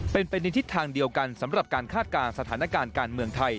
เป็นไปในทิศทางเดียวกันสำหรับการคาดการณ์สถานการณ์การเมืองไทย